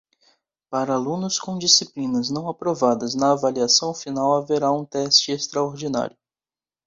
Para alunos com disciplinas não aprovadas na avaliação final, haverá um teste extraordinário.